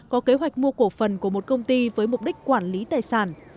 có kế hoạch mua cổ phần của một công ty với mục đích quản lý tài sản